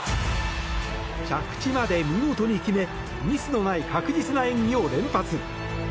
着地まで見事に決めミスのない確実な演技を連発。